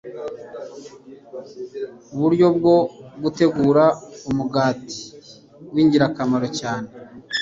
buryo bwo gutegura umugati w’ingirakamaro cyane. …